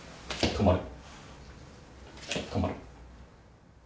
止まる。